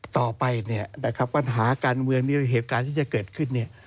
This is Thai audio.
ต่อไปปัญหาการเมืองนี้เหตุการณ์ที่จะเกิดขึ้น